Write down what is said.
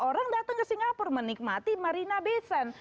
orang datang ke singapura menikmati marina bay sand